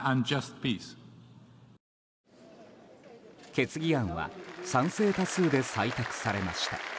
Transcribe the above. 決議案は賛成多数で採択されました。